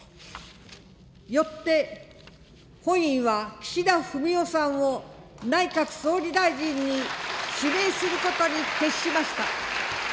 よって、本院は岸田文雄さんを内閣総理大臣に指名することに決しました。